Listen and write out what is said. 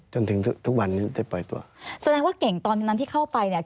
จนถึงทุกวันนี้ได้ปล่อยตัวแสดงว่าเก่งตอนนั้นที่เข้าไปเนี่ย